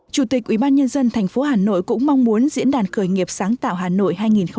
chủ tịch ubnd tp hà nội cũng mong muốn diễn đàn khởi nghiệp sáng tạo hà nội hai nghìn hai mươi